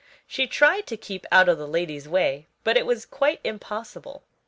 She tried to keep out of the lady's way, but it was quite impossible.